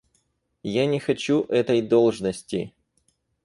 Я не хочу этой должности.